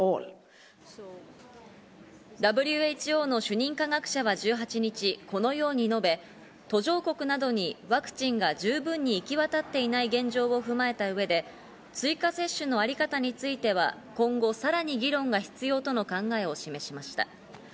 ＷＨＯの主任科学者は１８日、このように述べ、途上国などにワクチンが十分に行き渡っていない現状を踏まえた上で追加接種のあり方については、今後さらに議論が必要との考えを示しました。